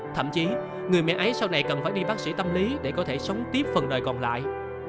thậm chí người mẹ ấy sau này cần phải đi bác sĩ tâm lý để có thể sống tiếp phần đời còn lại